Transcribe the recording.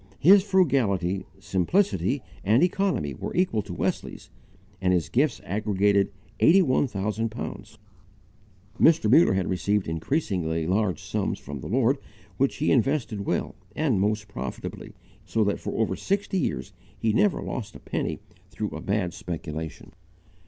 His frugality, simplicity, and economy were equal to Wesley's, and his gifts aggregated eighty one thousand pounds. Mr. Muller had received increasingly large sums from the Lord which he invested well and most profitably, so that for over sixty years he never lost a penny through a bad speculation!